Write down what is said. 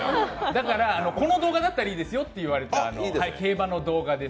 この動画だったらいいですよと言われて、競馬の動画です。